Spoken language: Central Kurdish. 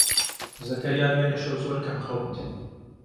زەکەریا دوێنێ شەو زۆر کەم خەوت.